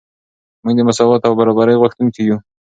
موږ د مساوات او برابرۍ غوښتونکي یو.